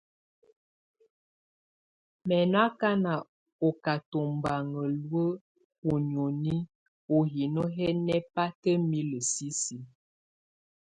Mɛ̀ nɔ akana ɔ́ ká tubaŋa luǝ̀ ú nioni ú hino hɛ nɛbataimilǝ sisiǝ.